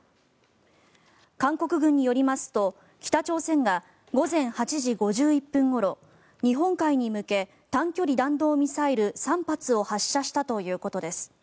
韓国軍によりますと北朝鮮が午前８時５１分ごろ日本海に向け短距離弾道ミサイル３発を発射したということです。